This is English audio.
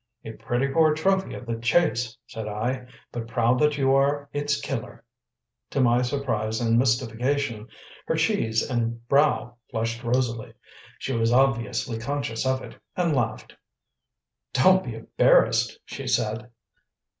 "A pretty poor trophy of the chase," said I, "but proud that you are its killer." To my surprise and mystification, her cheeks and brow flushed rosily; she was obviously conscious of it, and laughed. "Don't be embarrassed," she said.